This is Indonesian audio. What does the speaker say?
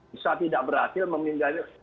bisa tidak berhasil memimpin daerah